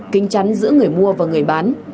kinh chắn giữa người mua và người bán